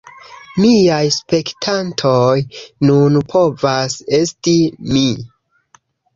Miaj spektantoj nun povas esti mi